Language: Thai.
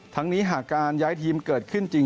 นี้หากการย้ายทีมเกิดขึ้นจริง